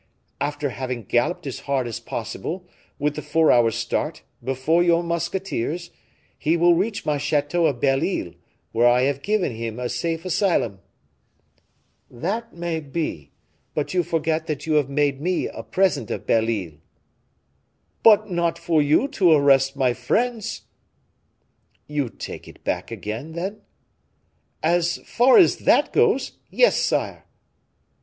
"After having galloped as hard as possible, with the four hours' start, before your musketeers, he will reach my chateau of Belle Isle, where I have given him a safe asylum." "That may be! But you forget that you have made me a present of Belle Isle." "But not for you to arrest my friends." "You take it back again, then?" "As far as that goes yes, sire."